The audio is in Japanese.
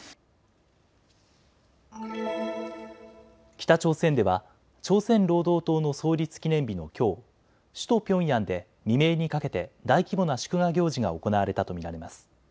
北朝鮮では朝鮮労働党の創立記念日のきょう首都ピョンヤンで未明にかけて大規模な祝賀行事が行われたと見られます。